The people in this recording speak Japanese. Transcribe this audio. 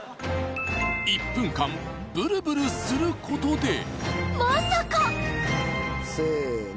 １分間ブルブルすることでまさか！せの。